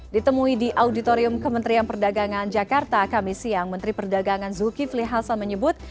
ditemui di auditorium kementerian perdagangan jakarta kami siang menteri perdagangan zulkifli hasan menyebut